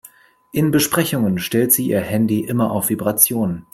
In Besprechungen stellt sie ihr Handy immer auf Vibration.